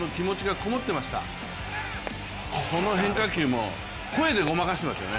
この変化球も声でごまかしてますよね。